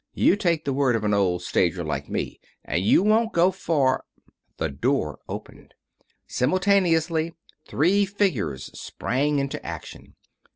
You take the word of an old stager like me and you won't go far " The door opened. Simultaneously three figures sprang into action.